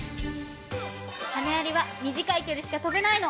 羽アリは短い距離しか飛べないの。